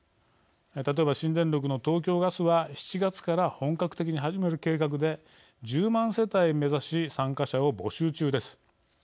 例えば、新電力の東京ガスは７月から本格的に始める計画で１０万世帯目指し参加者を募集中です。